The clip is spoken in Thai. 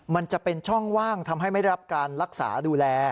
มันจะเป็นช่องว่างทำให้ไม่ได้รับการรักษาดูแล